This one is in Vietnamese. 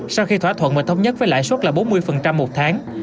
sau khi thỏa thuận mà thống nhất với lãi suất là bốn mươi một tháng